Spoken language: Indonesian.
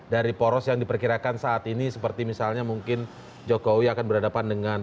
dari poros yang diperkirakan saat ini seperti misalnya mungkin jokowi akan berhadapan dengan